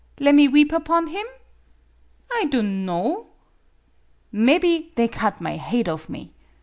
Lemme weep upon him ? I dunwo. Mebby they cut my hade off me.